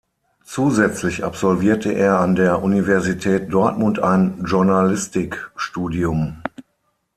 Zusätzlich absolvierte er an der Universität Dortmund ein Journalistikstudium.